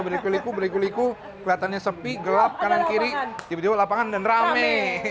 beli kuliku berliku liku kelihatannya sepi gelap kanan kiri tiba tiba lapangan dan rame